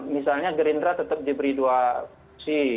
misalnya gerindra tetap diberi dua kursi